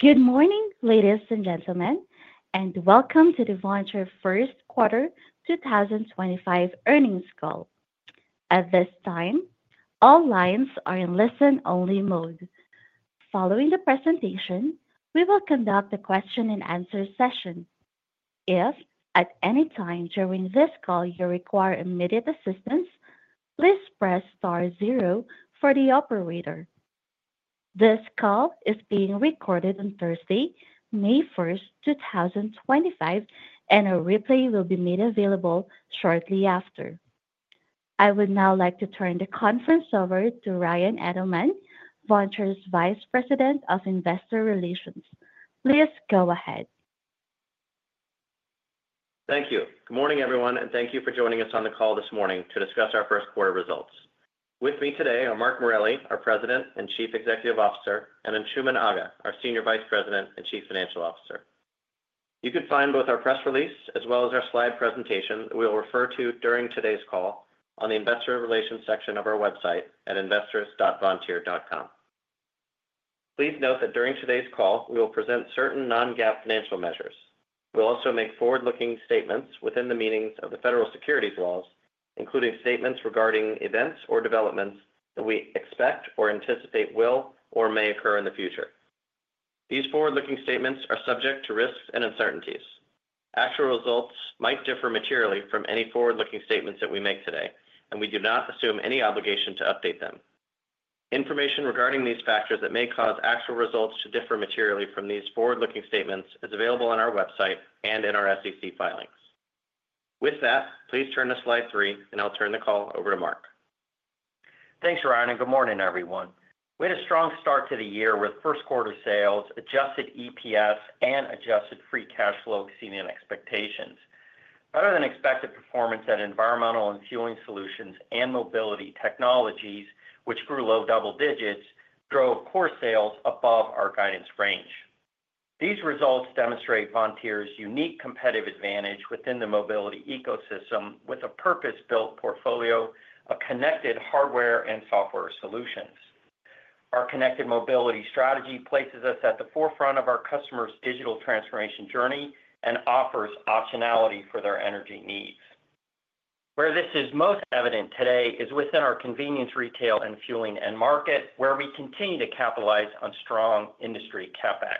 Good morning, ladies and gentlemen, and welcome to the Vontier First Quarter 2025 Earnings Call. At this time, all lines are in listen-only mode. Following the presentation, we will conduct a question-and-answer session. If at any time during this call you require immediate assistance, please press star 0 for the operator. This call is being recorded on Thursday, May 1, 2025, and a replay will be made available shortly after. I would now like to turn the conference over to Ryan Edelman, Vontier's Vice President of Investor Relations. Please go ahead. Thank you. Good morning, everyone, and thank you for joining us on the call this morning to discuss our first quarter results. With me today are Mark Morelli, our President and Chief Executive Officer, and Anshooman Aga, our Senior Vice President and Chief Financial Officer. You can find both our press release as well as our slide presentation that we will refer to during today's call on the Investor Relations section of our website at investors.vontier.com. Please note that during today's call, we will present certain non-GAAP financial measures. We'll also make forward-looking statements within the meanings of the federal securities laws, including statements regarding events or developments that we expect or anticipate will or may occur in the future. These forward-looking statements are subject to risks and uncertainties. Actual results might differ materially from any forward-looking statements that we make today, and we do not assume any obligation to update them. Information regarding these factors that may cause actual results to differ materially from these forward-looking statements is available on our website and in our SEC filings. With that, please turn to slide three, and I'll turn the call over to Mark. Thanks, Ryan, and good morning, everyone. We had a strong start to the year with first quarter sales, adjusted EPS, and adjusted free cash flow exceeding expectations. Other than expected performance at Environmental & Fueling Solutions and Mobility Technologies, which grew low double digits, drove core sales above our guidance range. These results demonstrate Vontier's unique competitive advantage within the mobility ecosystem with a purpose-built portfolio of connected hardware and software solutions. Our connected mobility strategy places us at the forefront of our customers' digital transformation journey and offers optionality for their energy needs. Where this is most evident today is within our convenience retail and fueling end market, where we continue to capitalize on strong industry CapEx.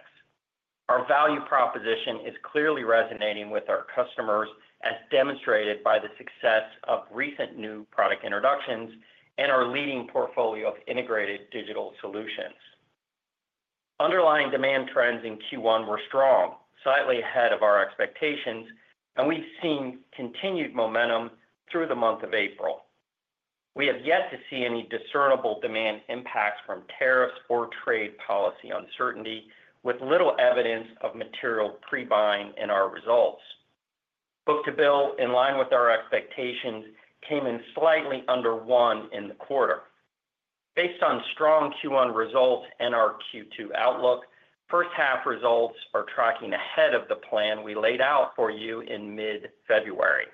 Our value proposition is clearly resonating with our customers, as demonstrated by the success of recent new product introductions and our leading portfolio of integrated digital solutions. Underlying demand trends in Q1 were strong, slightly ahead of our expectations, and we've seen continued momentum through the month of April. We have yet to see any discernible demand impacts from tariffs or trade policy uncertainty, with little evidence of material pre-buying in our results. Book to bill, in line with our expectations, came in slightly under one in the quarter. Based on strong Q1 results and our Q2 outlook, first half results are tracking ahead of the plan we laid out for you in mid-February.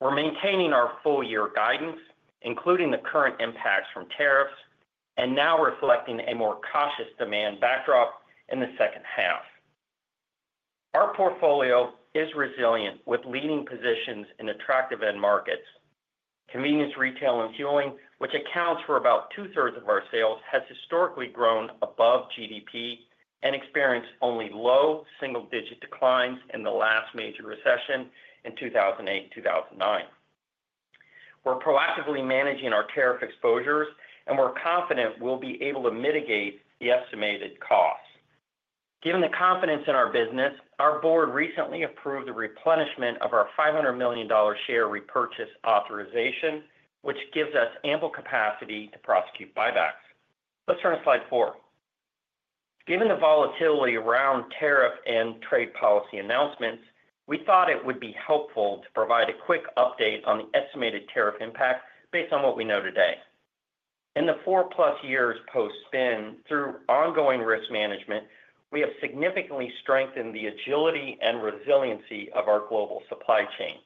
We're maintaining our full year guidance, including the current impacts from tariffs, and now reflecting a more cautious demand backdrop in the second half. Our portfolio is resilient with leading positions in attractive end markets. Convenience retail and fueling, which accounts for about two-thirds of our sales, has historically grown above GDP and experienced only low-single-digit declines in the last major recession in 2008-2009. We're proactively managing our tariff exposures, and we're confident we'll be able to mitigate the estimated costs. Given the confidence in our business, our board recently approved the replenishment of our $500 million share repurchase authorization, which gives us ample capacity to prosecute buybacks. Let's turn to slide four. Given the volatility around tariff and trade policy announcements, we thought it would be helpful to provide a quick update on the estimated tariff impact based on what we know today. In the four-plus years post-spin, through ongoing risk management, we have significantly strengthened the agility and resiliency of our global supply chain.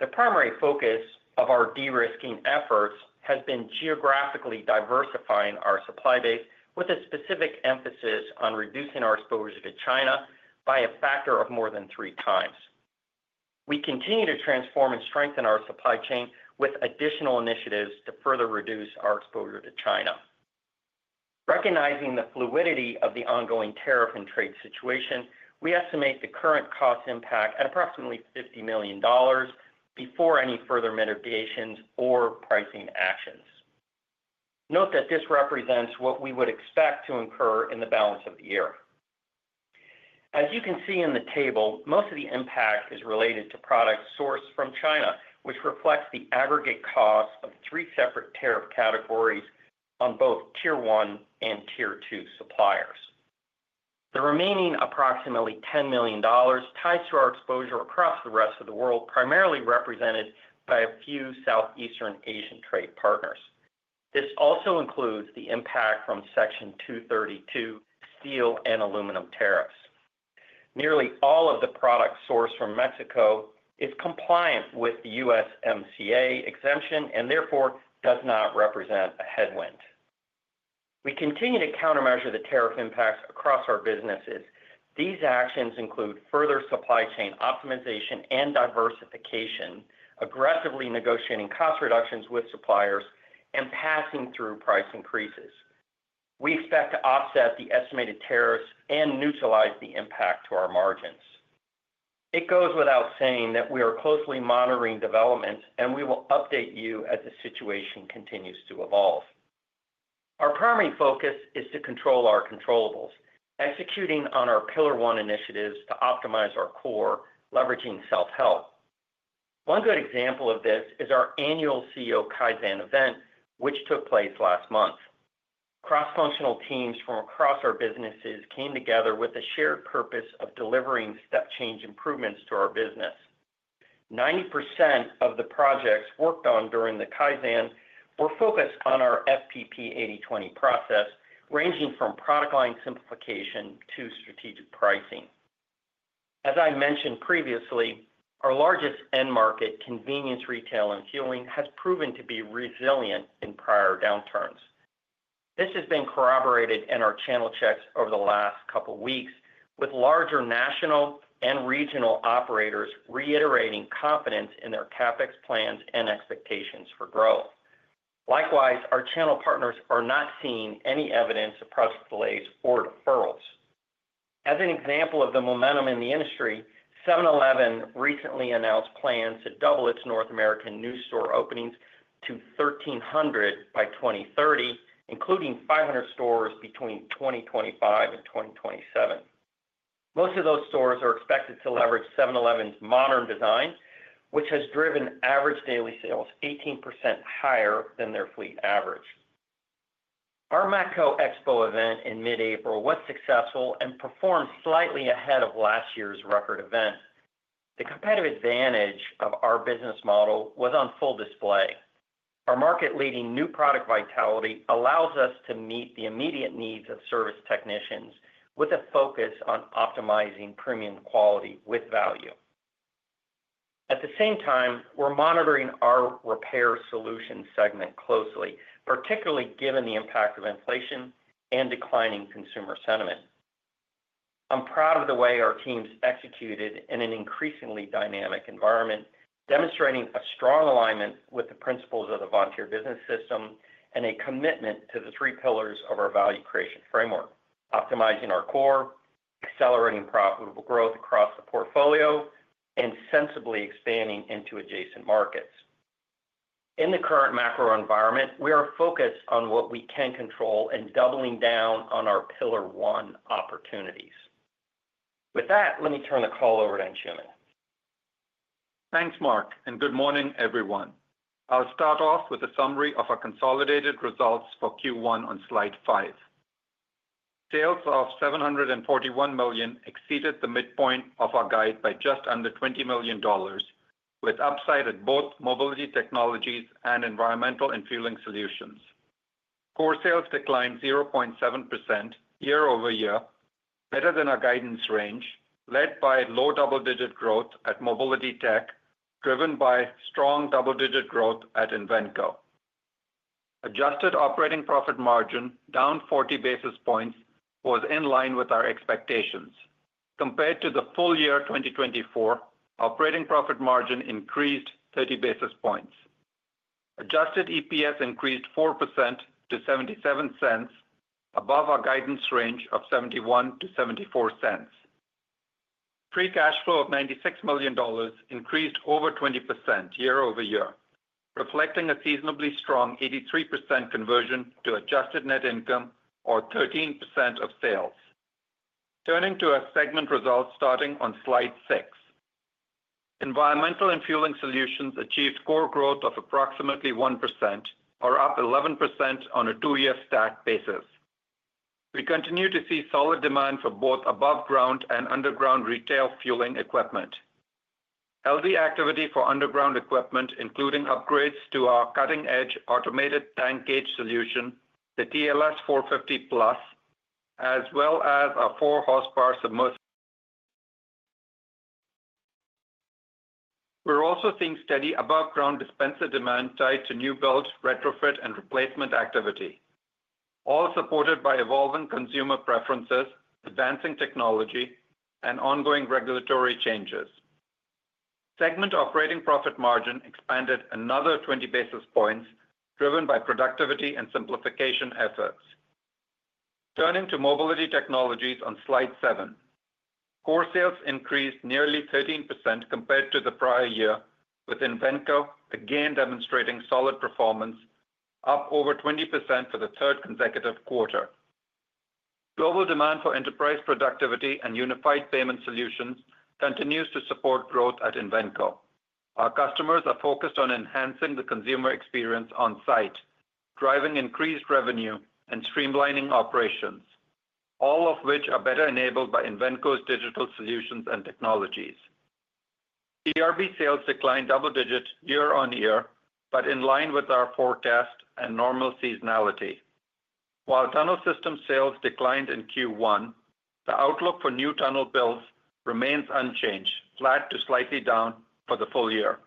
The primary focus of our de-risking efforts has been geographically diversifying our supply base, with a specific emphasis on reducing our exposure to China by a factor of more than three times. We continue to transform and strengthen our supply chain with additional initiatives to further reduce our exposure to China. Recognizing the fluidity of the ongoing tariff and trade situation, we estimate the current cost impact at approximately $50 million before any further mitigations or pricing actions. Note that this represents what we would expect to incur in the balance of the year. As you can see in the table, most of the impact is related to products sourced from China, which reflects the aggregate cost of three separate tariff categories on both tier one and tier two suppliers. The remaining approximately $10 million ties to our exposure across the rest of the world, primarily represented by a few Southeastern Asian trade partners. This also includes the impact from Section 232 steel and aluminum tariffs. Nearly all of the products sourced from Mexico are compliant with the USMCA exemption and therefore do not represent a headwind. We continue to countermeasure the tariff impacts across our businesses. These actions include further supply chain optimization and diversification, aggressively negotiating cost reductions with suppliers, and passing through price increases. We expect to offset the estimated tariffs and neutralize the impact to our margins. It goes without saying that we are closely monitoring developments, and we will update you as the situation continues to evolve. Our primary focus is to control our controllables, executing on our pillar one initiatives to optimize our core, leveraging self-help. One good example of this is our annual CEO Kaizen event, which took place last month. Cross-functional teams from across our businesses came together with a shared purpose of delivering step-change improvements to our business. 90% of the projects worked on during the Kaizen were focused on our FPP 80/20 process, ranging from product line simplification to strategic pricing. As I mentioned previously, our largest end market, convenience retail and fueling, has proven to be resilient in prior downturns. This has been corroborated in our channel checks over the last couple of weeks, with larger national and regional operators reiterating confidence in their CapEx plans and expectations for growth. Likewise, our channel partners are not seeing any evidence of project delays or deferrals. As an example of the momentum in the industry, 7-Eleven recently announced plans to double its North American new store openings to 1,300 by 2030, including 500 stores between 2025 and 2027. Most of those stores are expected to leverage 7-Eleven's modern design, which has driven average daily sales 18% higher than their fleet average. Our Matco Expo event in mid-April was successful and performed slightly ahead of last year's record event. The competitive advantage of our business model was on full display. Our market-leading new product vitality allows us to meet the immediate needs of service technicians with a focus on optimizing premium quality with value. At the same time, we're monitoring our Repair Solutions segment closely, particularly given the impact of inflation and declining consumer sentiment. I'm proud of the way our teams executed in an increasingly dynamic environment, demonstrating a strong alignment with the principles of the Vontier Business System and a commitment to the three pillars of our value creation framework: optimizing our core, accelerating profitable growth across the portfolio, and sensibly expanding into adjacent markets. In the current macro environment, we are focused on what we can control and doubling down on our pillar one opportunities. With that, let me turn the call over to Anshooman. Thanks, Mark, and good morning, everyone. I'll start off with a summary of our consolidated results for Q1 on slide five. Sales of $741 million exceeded the midpoint of our guide by just under $20 million, with upside at both Mobility Technologies and Environmental & Fueling Solutions. Core sales declined 0.7% year-over-year, better than our guidance range, led by low double-digit growth at Mobility Tech, driven by strong double-digit growth at Invenco. Adjusted operating profit margin, down 40 basis points, was in line with our expectations. Compared to the full year 2024, operating profit margin increased 30 basis points. Adjusted EPS increased 4% to $0.77, above our guidance range of $0.71-$0.74. Free cash flow of $96 million increased over 20% year-over-year, reflecting a seasonably strong 83% conversion to adjusted net income or 13% of sales. Turning to our segment results starting on slide six, Environmental & Fueling Solutions achieved core growth of approximately 1%, or up 11% on a two-year stack basis. We continue to see solid demand for both above-ground and underground retail fueling equipment. LD activity for underground equipment, including upgrades to our cutting-edge automated tank gauge solution, the TLS-450PLUS, as well as our four-horsepower submersible. We're also seeing steady above-ground dispenser demand tied to new builds, retrofit, and replacement activity, all supported by evolving consumer preferences, advancing technology, and ongoing regulatory changes. Segment operating profit margin expanded another 20 basis points, driven by productivity and simplification efforts. Turning to Mobility Technologies on slide seven, core sales increased nearly 13% compared to the prior year, with Invenco again demonstrating solid performance, up over 20% for the third consecutive quarter. Global demand for enterprise productivity and unified payment solutions continues to support growth at Invenco. Our customers are focused on enhancing the consumer experience on site, driving increased revenue, and streamlining operations, all of which are better enabled by Invenco's digital solutions and technologies. DRB sales declined double digit year-on-year, but in line with our forecast and normal seasonality. While tunnel system sales declined in Q1, the outlook for new tunnel builds remains unchanged, flat to slightly down for the full year.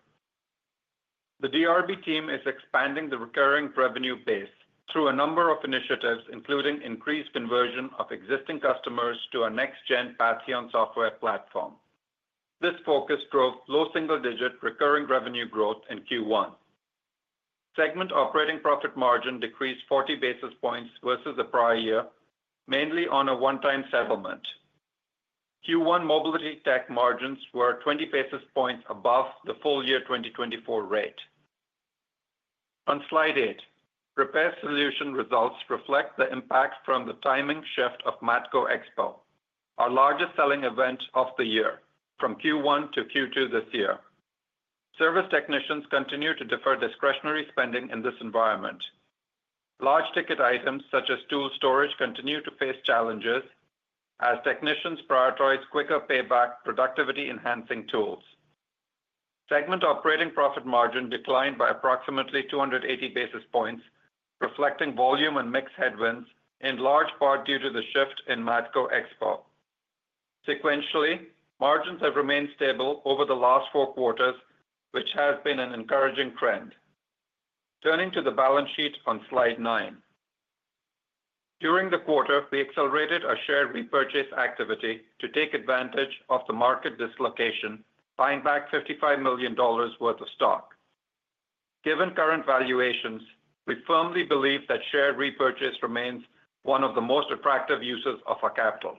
The DRB team is expanding the recurring revenue base through a number of initiatives, including increased conversion of existing customers to our next-gen Pantheon software platform. This focus drove low-single-digit recurring revenue growth in Q1. Segment operating profit margin decreased 40 basis points versus the prior year, mainly on a one-time settlement. Q1 Mobility Tech margins were 20 basis points above the full year 2024 rate. On slide eight, Repair Solution results reflect the impact from the timing shift of Matco Expo, our largest selling event of the year, from Q1 to Q2 this year. Service technicians continue to defer discretionary spending in this environment. Large ticket items such as tool storage continue to face challenges as technicians prioritize quicker payback, productivity-enhancing tools. Segment operating profit margin declined by approximately 280 basis points, reflecting volume and mixed headwinds, in large part due to the shift in Matco Expo. Sequentially, margins have remained stable over the last four quarters, which has been an encouraging trend. Turning to the balance sheet on slide nine, during the quarter, we accelerated our share repurchase activity to take advantage of the market dislocation, buying back $55 million worth of stock. Given current valuations, we firmly believe that share repurchase remains one of the most attractive uses of our capital.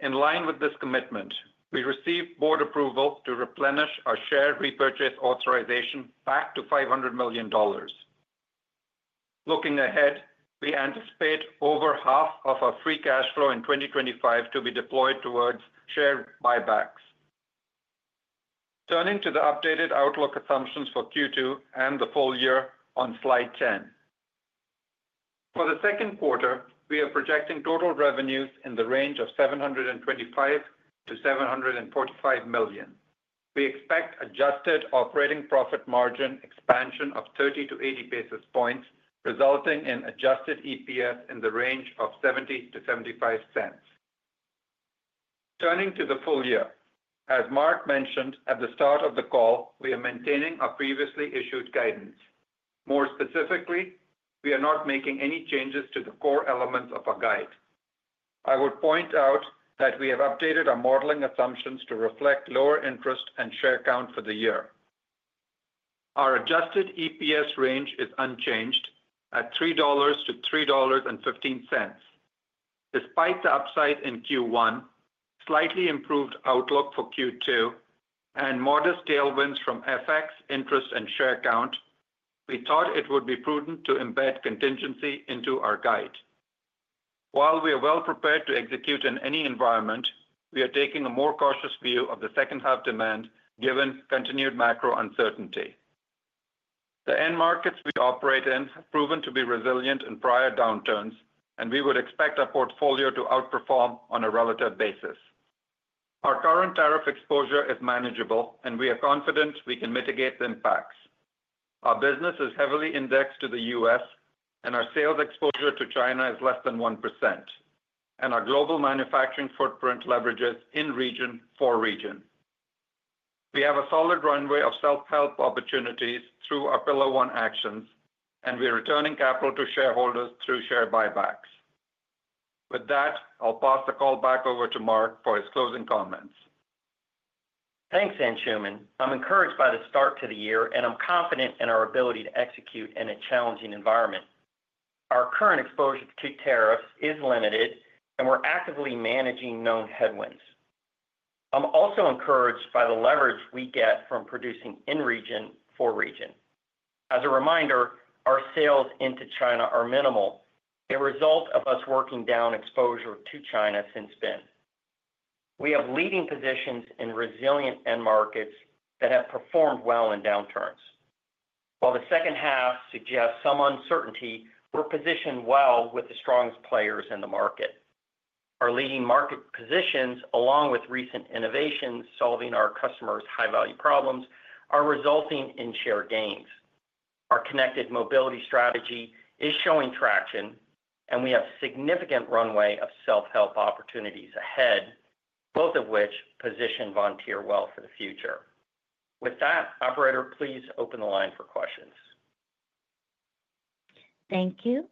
In line with this commitment, we received board approval to replenish our share repurchase authorization back to $500 million. Looking ahead, we anticipate over half of our free cash flow in 2025 to be deployed towards share buybacks. Turning to the updated outlook assumptions for Q2 and the full year on slide 10. For the second quarter, we are projecting total revenues in the range of $725-$745 million. We expect adjusted operating profit margin expansion of 30-80 basis points, resulting in adjusted EPS in the range of $0.70-$0.75. Turning to the full year, as Mark mentioned at the start of the call, we are maintaining our previously issued guidance. More specifically, we are not making any changes to the core elements of our guide. I would point out that we have updated our modeling assumptions to reflect lower interest and share count for the year. Our adjusted EPS range is unchanged at $3-$3.15. Despite the upside in Q1, slightly improved outlook for Q2, and modest tailwinds from FX, interest, and share count, we thought it would be prudent to embed contingency into our guide. While we are well prepared to execute in any environment, we are taking a more cautious view of the second-half demand given continued macro uncertainty. The end markets we operate in have proven to be resilient in prior downturns, and we would expect our portfolio to outperform on a relative basis. Our current tariff exposure is manageable, and we are confident we can mitigate the impacts. Our business is heavily indexed to the U.S., and our sales exposure to China is less than 1%, and our global manufacturing footprint leverages in region for region. We have a solid runway of self-help opportunities through our pillar one actions, and we are returning capital to shareholders through share buybacks. With that, I'll pass the call back over to Mark for his closing comments. Thanks, Anshooman. I'm encouraged by the start to the year, and I'm confident in our ability to execute in a challenging environment. Our current exposure to tariffs is limited, and we're actively managing known headwinds. I'm also encouraged by the leverage we get from producing in region for region. As a reminder, our sales into China are minimal, a result of us working down exposure to China since then. We have leading positions in resilient end markets that have performed well in downturns. While the second half suggests some uncertainty, we're positioned well with the strongest players in the market. Our leading market positions, along with recent innovations solving our customers' high-value problems, are resulting in share gains. Our connected mobility strategy is showing traction, and we have a significant runway of self-help opportunities ahead, both of which position Vontier well for the future. With that, Operator, please open the line for questions. Thank you.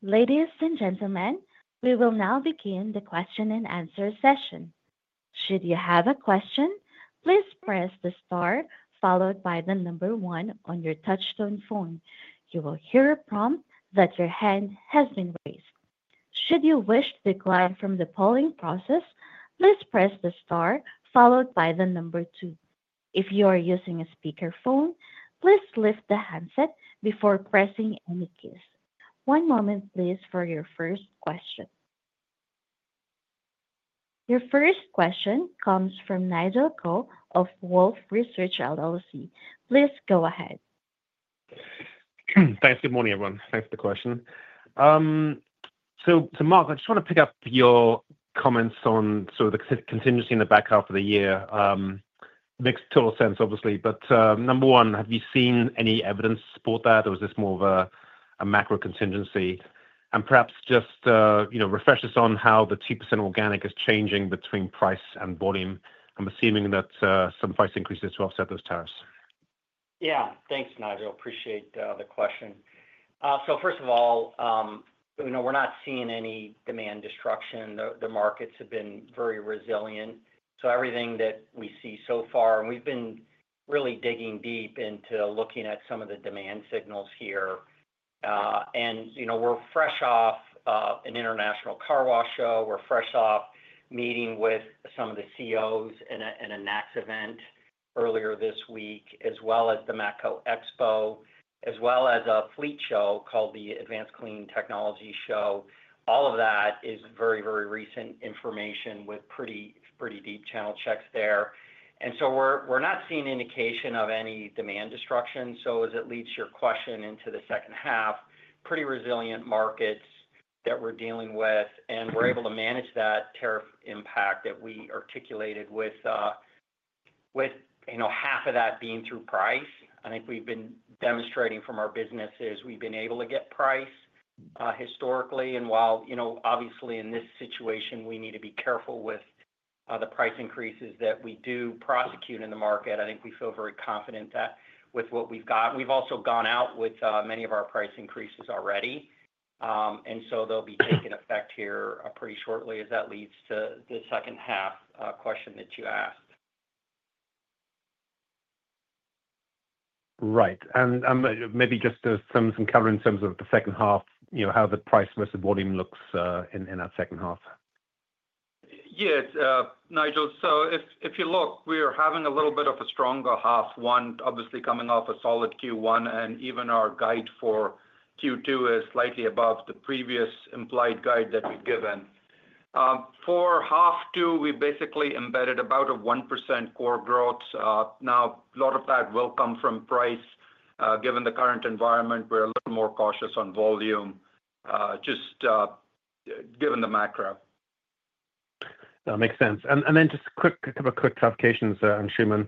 Ladies and gentlemen, we will now begin the question and answer session. Should you have a question, please press the star followed by the number one on your touch-tone phone. You will hear a prompt that your hand has been raised. Should you wish to decline from the polling process, please press the star followed by the number two. If you are using a speakerphone, please lift the handset before pressing any keys. One moment, please, for your first question. Your first question comes from Nigel Coe of Wolfe Research. Please go ahead. Thanks. Good morning, everyone. Thanks for the question. Mark, I just want to pick up your comments on sort of the contingency in the back half of the year. Makes total sense, obviously. Number one, have you seen any evidence to support that, or is this more of a macro contingency? Perhaps just refresh us on how the 2% organic is changing between price and volume. I'm assuming that some price increases to offset those tariffs. Yeah. Thanks, Nigel. Appreciate the question. First of all, we're not seeing any demand destruction. The markets have been very resilient. Everything that we see so far, and we've been really digging deep into looking at some of the demand signals here. We're fresh off an international car wash show. We're fresh off meeting with some of the CEOs in a NACS event earlier this week, as well as the Matco Expo, as well as a fleet show called the Advanced Clean Technology Show. All of that is very, very recent information with pretty deep channel checks there. We're not seeing indication of any demand destruction. As it leads your question into the second half, pretty resilient markets that we're dealing with, and we're able to manage that tariff impact that we articulated with half of that being through price. I think we've been demonstrating from our businesses we've been able to get price historically. While, obviously, in this situation, we need to be careful with the price increases that we do prosecute in the market, I think we feel very confident that with what we've got. We've also gone out with many of our price increases already. They'll be taking effect here pretty shortly as that leads to the second half question that you asked. Right. Maybe just some cover in terms of the second half, how the price versus volume looks in that second half. Yeah, Nigel. If you look, we are having a little bit of a stronger half one, obviously coming off a solid Q1, and even our guide for Q2 is slightly above the previous implied guide that we've given. For half two, we basically embedded about a 1% core growth. Now, a lot of that will come from price. Given the current environment, we're a little more cautious on volume, just given the macro. That makes sense. Just a couple of quick clarifications, Anshooman.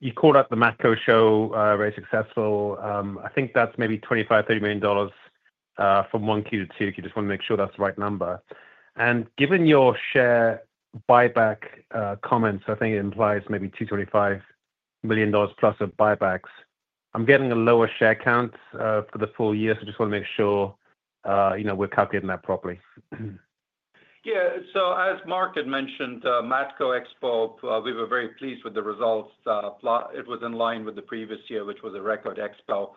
You called out the Matco show very successful. I think that's maybe $25-$30 million from one Q to two. If you just want to make sure that's the right number. Given your share buyback comments, I think it implies maybe $225 million plus of buybacks. I'm getting a lower share count for the full year, so I just want to make sure we're calculating that properly. Yeah. As Mark had mentioned, Matco Expo, we were very pleased with the results. It was in line with the previous year, which was a record Expo.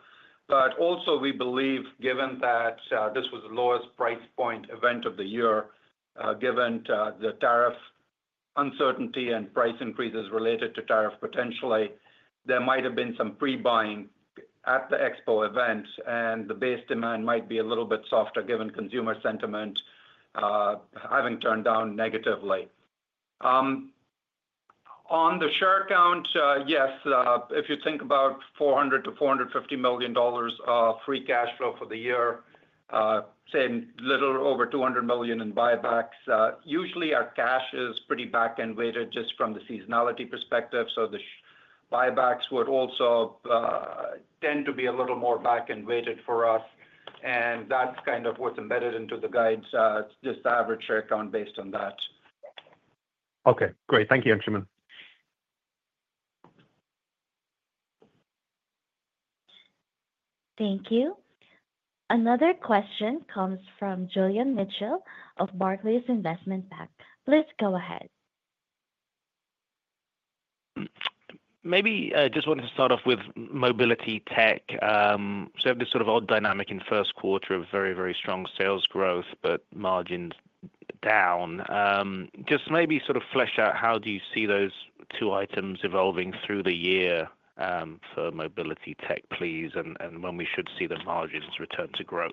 Also, we believe, given that this was the lowest price point event of the year, given the tariff uncertainty and price increases related to tariff potentially, there might have been some pre-buying at the Expo event, and the base demand might be a little bit softer given consumer sentiment having turned down negatively. On the share count, yes, if you think about $400-$450 million free cash flow for the year, same little over $200 million in buybacks. Usually, our cash is pretty back-end weighted just from the seasonality perspective. The buybacks would also tend to be a little more back-end weighted for us. That is kind of what is embedded into the guides. It's just the average share count based on that. Okay. Great. Thank you, Anshooman. Thank you. Another question comes from Julian Mitchell of Barclays Investment Bank. Please go ahead. Maybe I just wanted to start off with Mobility Tech. This sort of old dynamic in first quarter of very, very strong sales growth, but margins down. Just maybe sort of flesh out how do you see those two items evolving through the year for Mobility Tech, please, and when we should see the margins return to growth?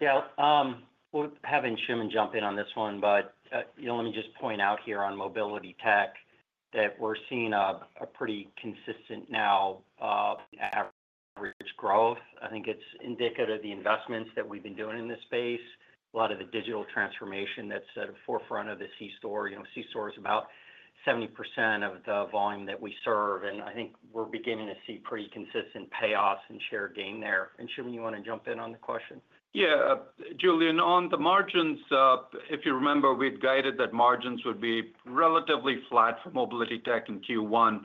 Yeah. We'll have Anshooman jump in on this one, but let me just point out here on Mobility Tech that we're seeing a pretty consistent now average growth. I think it's indicative of the investments that we've been doing in this space, a lot of the digital transformation that's at the forefront of the C-Store. C-Store is about 70% of the volume that we serve. I think we're beginning to see pretty consistent payoffs and share gain there. Anshooman, you want to jump in on the question? Yeah. Julian, on the margins, if you remember, we'd guided that margins would be relatively flat for Mobility Tech in Q1.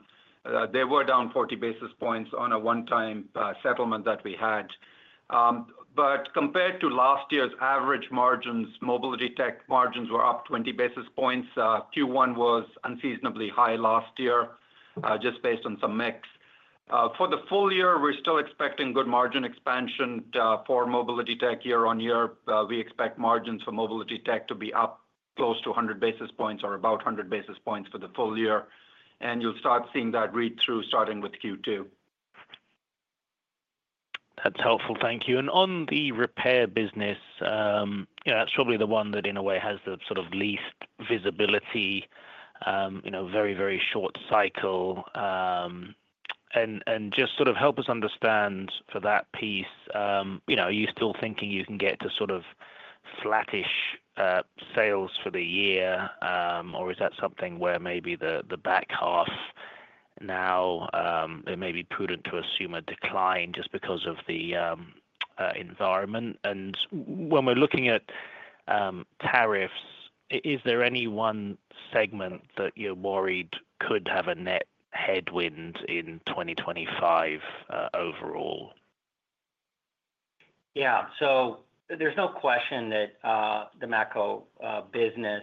They were down 40 basis points on a one-time settlement that we had. Compared to last year's average margins, Mobility Tech margins were up 20 basis points. Q1 was unseasonably high last year, just based on some mix. For the full year, we're still expecting good margin expansion for Mobility Tech year-on-year. We expect margins for Mobility Tech to be up close to 100 basis points or about 100 basis points for the full year. You'll start seeing that read-through starting with Q2. That's helpful. Thank you. On the repair business, that's probably the one that in a way has the sort of least visibility, very, very short cycle. Just sort of help us understand for that piece, are you still thinking you can get to sort of flattish sales for the year, or is that something where maybe the back half now, it may be prudent to assume a decline just because of the environment? When we're looking at tariffs, is there any one segment that you're worried could have a net headwind in 2025 overall? Yeah. There is no question that the Matco business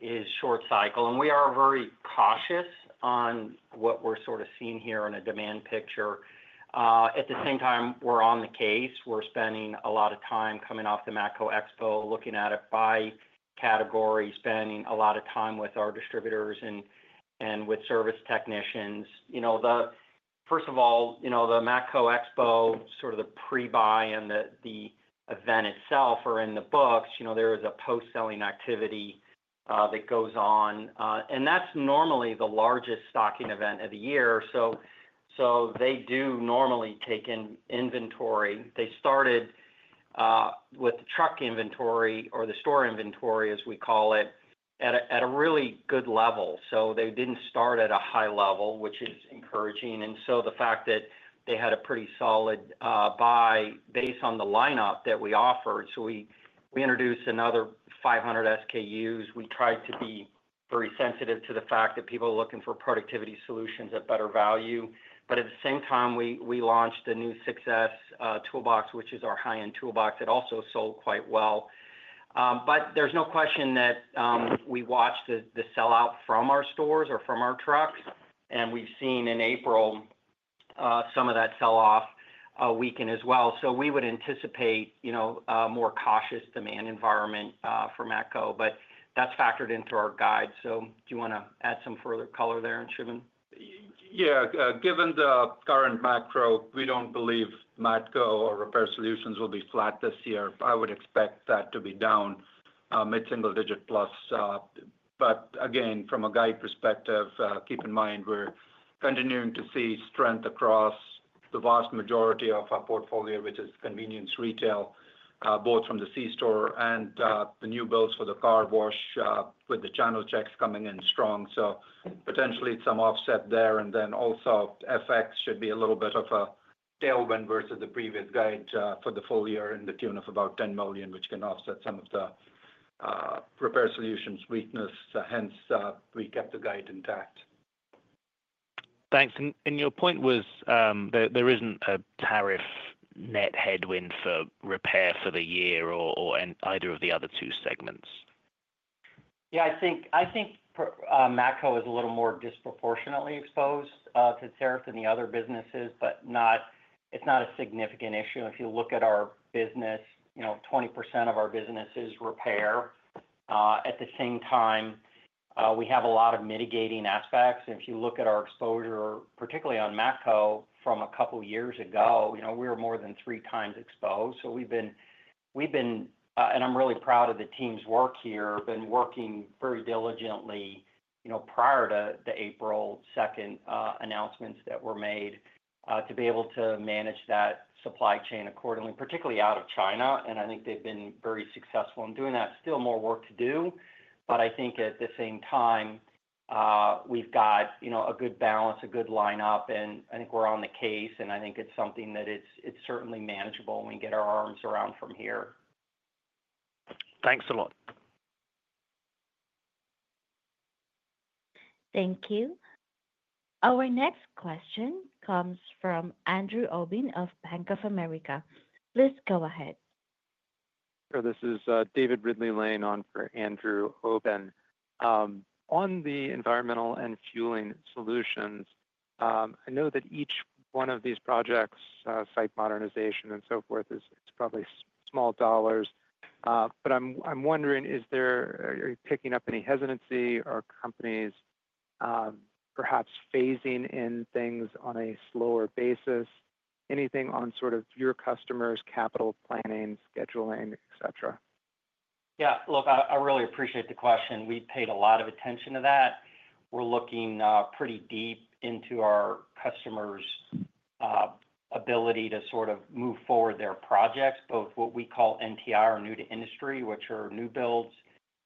is short cycle. We are very cautious on what we are sort of seeing here on a demand picture. At the same time, we are on the case. We are spending a lot of time coming off the Matco Expo, looking at it by category, spending a lot of time with our distributors and with service technicians. First of all, the Matco Expo, sort of the pre-buy and the event itself are in the books. There is a post-selling activity that goes on. That is normally the largest stocking event of the year. They do normally take in inventory. They started with the truck inventory or the store inventory, as we call it, at a really good level. They did not start at a high level, which is encouraging. The fact that they had a pretty solid buy based on the lineup that we offered. We introduced another 500 SKUs. We tried to be very sensitive to the fact that people are looking for productivity solutions at better value. At the same time, we launched a new 6S toolbox, which is our high-end toolbox. It also sold quite well. There is no question that we watched the sellout from our stores or from our trucks. We have seen in April some of that selloff weaken as well. We would anticipate a more cautious demand environment for Matco. That is factored into our guide. Do you want to add some further color there, Anshooman? Yeah. Given the current macro, we don't believe Matco or Repair Solutions will be flat this year. I would expect that to be down mid-single-digit plus. Again, from a guide perspective, keep in mind we're continuing to see strength across the vast majority of our portfolio, which is convenience retail, both from the C-Store and the new builds for the car wash with the channel checks coming in strong. Potentially some offset there. Also, FX should be a little bit of a tailwind versus the previous guide for the full year in the tune of about $10 million, which can offset some of the Repair Solutions weakness. Hence, we kept the guide intact. Thanks. Your point was there isn't a tariff net headwind for repair for the year or either of the other two segments. Yeah. I think Matco is a little more disproportionately exposed to tariff than the other businesses, but it's not a significant issue. If you look at our business, 20% of our business is repair. At the same time, we have a lot of mitigating aspects. If you look at our exposure, particularly on Matco from a couple of years ago, we were more than three times exposed. We've been, and I'm really proud of the team's work here, working very diligently prior to the April 2nd announcements that were made to be able to manage that supply chain accordingly, particularly out of China. I think they've been very successful in doing that. Still more work to do. I think at the same time, we've got a good balance, a good lineup. I think we're on the case. I think it's something that it's certainly manageable when we get our arms around from here. Thanks a lot. Thank you. Our next question comes from Andrew Obin of Bank of America. Please go ahead. Sure. This is David Ridley-Lane on for Andrew Obin. On the Environmental & Fueling Solutions, I know that each one of these projects, site modernization and so forth, is probably small dollars. I am wondering, are you picking up any hesitancy or companies perhaps phasing in things on a slower basis? Anything on sort of your customers' capital planning, scheduling, etc.? Yeah. Look, I really appreciate the question. We paid a lot of attention to that. We're looking pretty deep into our customers' ability to sort of move forward their projects, both what we call NTI or new to industry, which are new builds,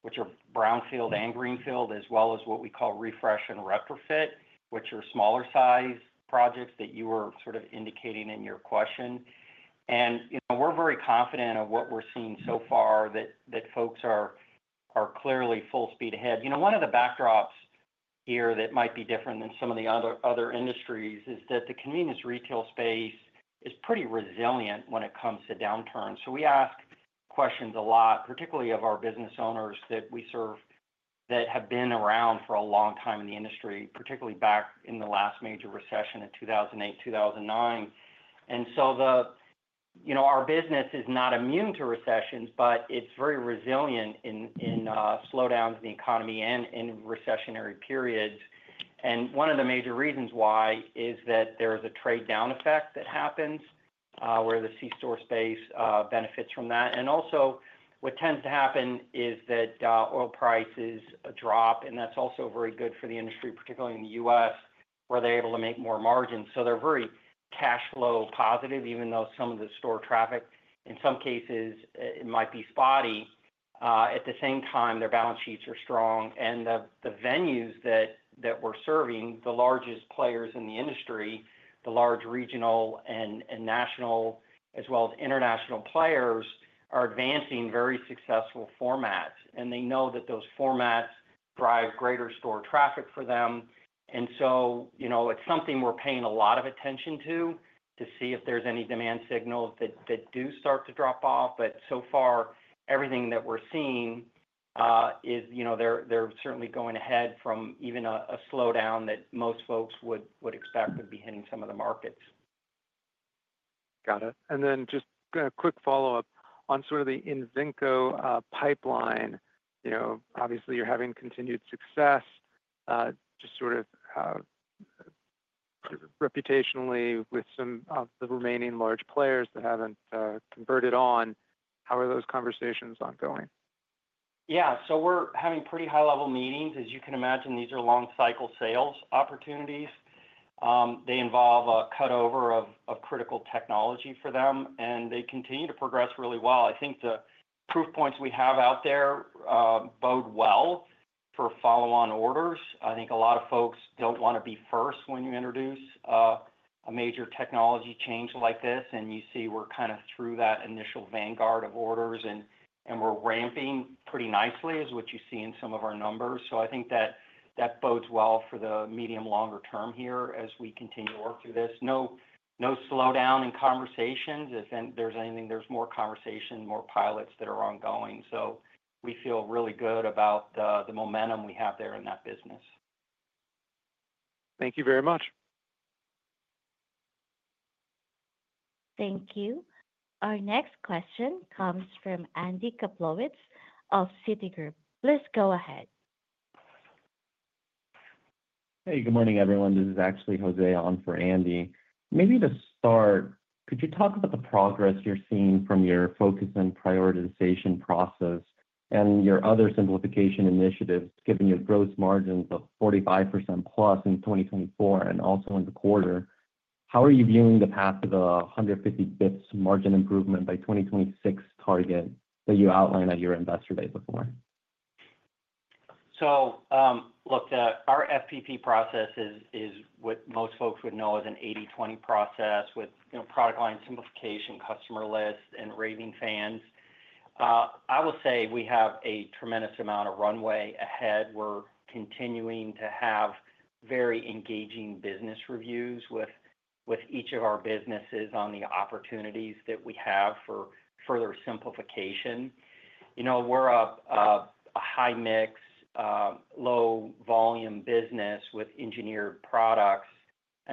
which are brownfield and greenfield, as well as what we call refresh and retrofit, which are smaller size projects that you were sort of indicating in your question. We're very confident of what we're seeing so far that folks are clearly full speed ahead. One of the backdrops here that might be different than some of the other industries is that the convenience retail space is pretty resilient when it comes to downturns. We ask questions a lot, particularly of our business owners that we serve that have been around for a long time in the industry, particularly back in the last major recession in 2008, 2009. Our business is not immune to recessions, but it's very resilient in slowdowns in the economy and in recessionary periods. One of the major reasons why is that there is a trade-down effect that happens where the C-Store space benefits from that. Also, what tends to happen is that oil prices drop. That's also very good for the industry, particularly in the U.S., where they're able to make more margins. They're very cash flow positive, even though some of the store traffic, in some cases, it might be spotty. At the same time, their balance sheets are strong. The venues that we're serving, the largest players in the industry, the large regional and national, as well as international players, are advancing very successful formats. They know that those formats drive greater store traffic for them. It is something we're paying a lot of attention to, to see if there's any demand signals that do start to drop off. So far, everything that we're seeing is they're certainly going ahead from even a slowdown that most folks would expect would be hitting some of the markets. Got it. Just a quick follow-up on sort of the Invenco pipeline. Obviously, you're having continued success, just sort of reputationally with some of the remaining large players that haven't converted on. How are those conversations ongoing? Yeah. So, we're having pretty high-level meetings. As you can imagine, these are long-cycle sales opportunities. They involve a cutover of critical technology for them. They continue to progress really well. I think the proof points we have out there bode well for follow-on orders. I think a lot of folks don't want to be first when you introduce a major technology change like this. You see we're kind of through that initial vanguard of orders. We're ramping pretty nicely, is what you see in some of our numbers. I think that bodes well for the medium-longer term here as we continue to work through this. No slowdown in conversations. If there's anything, there's more conversation, more pilots that are ongoing. We feel really good about the momentum we have there in that business. Thank you very much. Thank you. Our next question comes from Andy Kaplowitz of Citigroup. Please go ahead. Hey, good morning, everyone. This is actually Jose Allen for Andy. Maybe to start, could you talk about the progress you're seeing from your focus and prioritization process and your other simplification initiatives, giving you gross margins of 45% plus in 2024 and also in the quarter? How are you viewing the path to the 150 basis points margin improvement by 2026 target that you outlined at your investor day before? Look, our FPP process is what most folks would know as an 80/20 process with product line simplification, customer list, and raving fans. I will say we have a tremendous amount of runway ahead. We're continuing to have very engaging business reviews with each of our businesses on the opportunities that we have for further simplification. We're a high-mix, low-volume business with engineered products.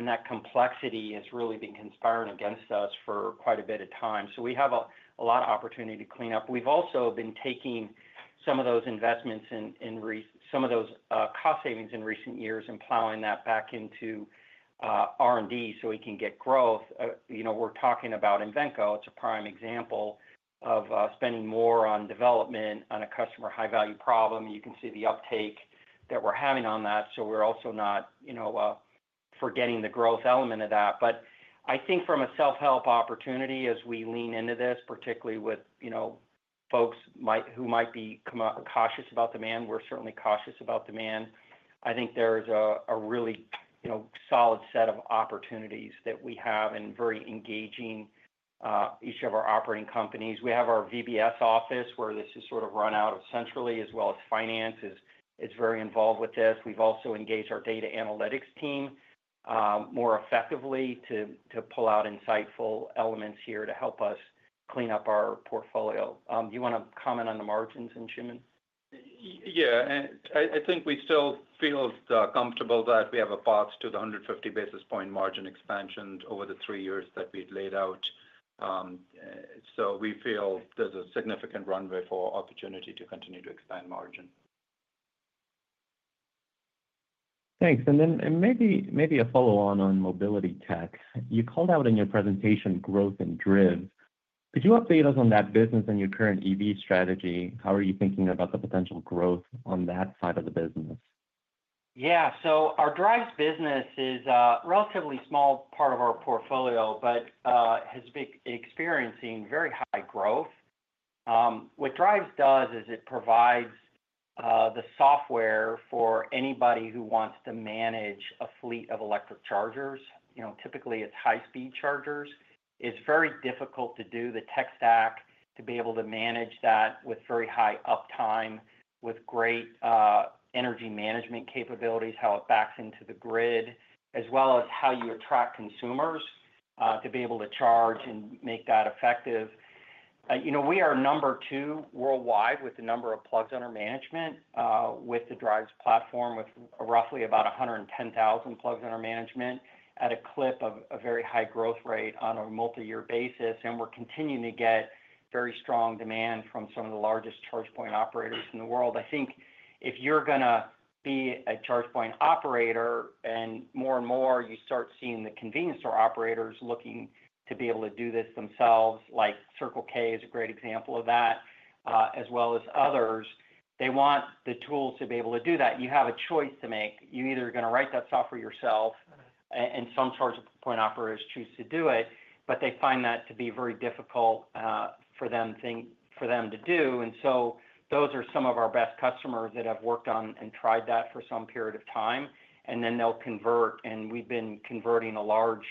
That complexity has really been conspiring against us for quite a bit of time. We have a lot of opportunity to clean up. We've also been taking some of those investments and some of those cost savings in recent years, empowering that back into R&D so we can get growth. We're talking about Invenco. It's a prime example of spending more on development on a customer high-value problem. You can see the uptake that we're having on that. We're also not forgetting the growth element of that. I think from a self-help opportunity, as we lean into this, particularly with folks who might be cautious about demand, we're certainly cautious about demand. I think there is a really solid set of opportunities that we have and very engaging each of our operating companies. We have our VBS office where this is sort of run out of centrally, as well as finance is very involved with this. We've also engaged our data analytics team more effectively to pull out insightful elements here to help us clean up our portfolio. Do you want to comment on the margins, Anshooman? Yeah. I think we still feel comfortable that we have a path to the 150 basis point margin expansion over the three years that we've laid out. We feel there's a significant runway for opportunity to continue to expand margin. Thanks. Maybe a follow-on on Mobility Tech. You called out in your presentation growth at Driivz. Could you update us on that business and your current EV strategy? How are you thinking about the potential growth on that side of the business? Yeah. Our Driivz business is a relatively small part of our portfolio, but has been experiencing very high growth. What Driivz does is it provides the software for anybody who wants to manage a fleet of electric chargers. Typically, it's high-speed chargers. It's very difficult to do the tech stack to be able to manage that with very high uptime, with great energy management capabilities, how it backs into the grid, as well as how you attract consumers to be able to charge and make that effective. We are number two worldwide with the number of plugs under management with the Driivz platform, with roughly about 110,000 plugs under management at a clip of a very high growth rate on a multi-year basis. We are continuing to get very strong demand from some of the largest charge point operators in the world. I think if you're going to be a charge point operator, and more and more you start seeing the convenience store operators looking to be able to do this themselves, like Circle K is a great example of that, as well as others, they want the tools to be able to do that. You have a choice to make. You're either going to write that software yourself, and some charge point operators choose to do it, but they find that to be very difficult for them to do. Those are some of our best customers that have worked on and tried that for some period of time. Then they'll convert. We have been converting a large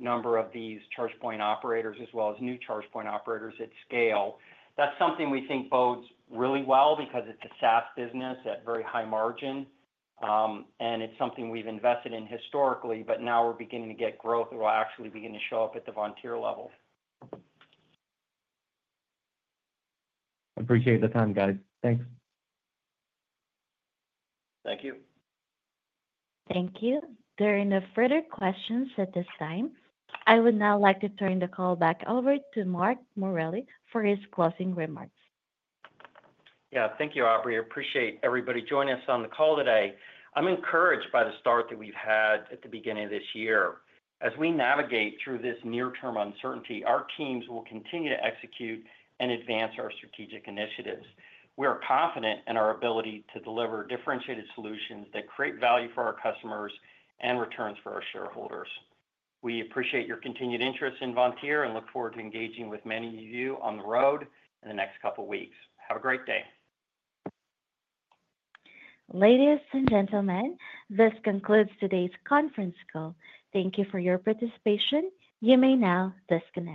number of these charge point operators, as well as new charge point operators at scale. That is something we think bodes really well because it's a SaaS business at very high margin. It is something we've invested in historically, but now we're beginning to get growth. It will actually begin to show up at the Vontier level. Appreciate the time, guys. Thanks. Thank you. Thank you. There are no further questions at this time. I would now like to turn the call back over to Mark Morelli for his closing remarks. Yeah. Thank you, Aubrie. Appreciate everybody joining us on the call today. I'm encouraged by the start that we've had at the beginning of this year. As we navigate through this near-term uncertainty, our teams will continue to execute and advance our strategic initiatives. We are confident in our ability to deliver differentiated solutions that create value for our customers and returns for our shareholders. We appreciate your continued interest in Vontier and look forward to engaging with many of you on the road in the next couple of weeks. Have a great day. Ladies and gentlemen, this concludes today's conference call. Thank you for your participation. You may now disconnect.